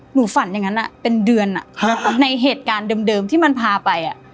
ฝันอย่างนั้นเป็นเดือนในเหตุการณ์เดิมที่มันพาไป